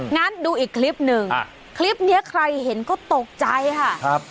งั้นดูอีกคลิปหนึ่งคลิปนี้ใครเห็นก็ตกใจค่ะครับ